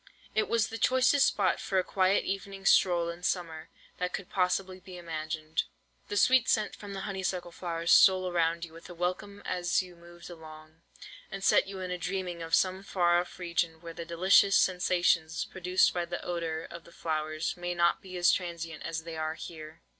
It was the choicest spot for a quiet evening stroll in summer that could possibly be imagined. The sweet scent from the honeysuckle flowers stole around you with a welcome as you moved along, and set you a dreaming of some far off region where the delicious sensations produced by the odour of flowers may not be as transient as they are here.